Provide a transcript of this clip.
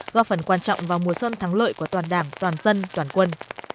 góp phần quan trọng vào mùa xuân thắng lợi của toàn đảng toàn dân toàn quân